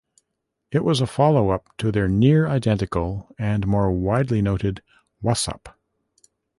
It was a followup to their near-identical and more widely noted Whassup?